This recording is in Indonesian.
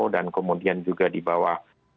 dan kemudian juga dibawah